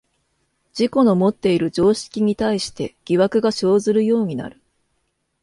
自己のもっている常識に対して疑惑が生ずるようになる。